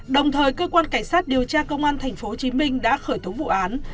đồng thời cơ quan cảnh sát điều tra công an tp hcm đã khởi tố vụ án